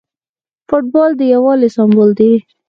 فوټبال د یووالي سمبول دی.